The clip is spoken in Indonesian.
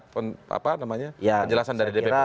penjelasan dari dpp